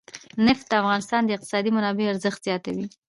نفت د افغانستان د اقتصادي منابعو ارزښت زیاتوي.